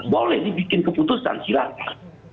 boleh dibikin keputusan silakan